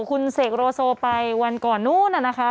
คุณเสกโรโซไปวันก่อนนู้นน่ะนะคะ